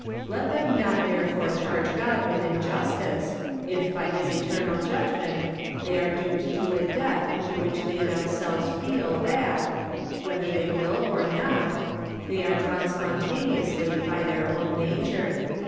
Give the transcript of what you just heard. Let them not therefore charge God with injustice, if by his eternal judgment they are doomed to a death to which they themselves feel that, whether they will or not, they are drawn spontaneously by their own nature.